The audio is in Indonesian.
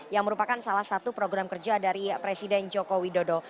yang merupakan salah satu program kerja dari presiden joko widodo